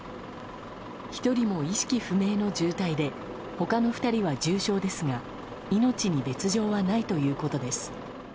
１人も意識不明の重体で他の２人は重傷ですが命に別条はないということです。